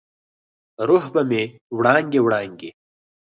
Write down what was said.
روح به مې وړانګې، وړانګې،